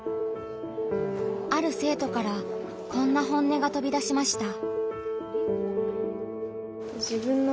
ある生徒からこんな本音が飛び出しました。